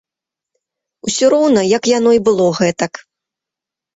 Усё роўна як яно й было гэтак.